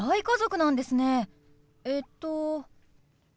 えっと？